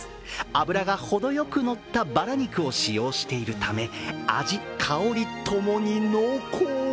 脂がほどよくのったバラ肉を使用しているため味、香りともに濃厚。